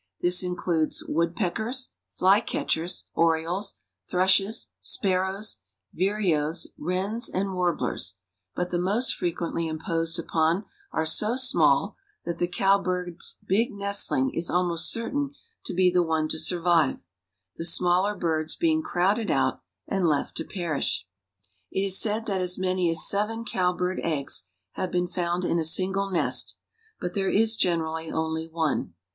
This includes woodpeckers, flycatchers, orioles, thrushes, sparrows, vireos, wrens, and warblers, but the most frequently imposed upon are so small that the cowbird's big nestling is almost certain to be the one to survive, the smaller birds being crowded out, and left to perish. It is said that as many as seven cowbird eggs have been found in a single nest, but there is generally only one.